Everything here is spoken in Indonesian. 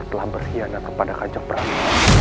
telah berkhianatan kepada kajeng prabu